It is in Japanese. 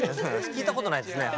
きいたことないですねはい。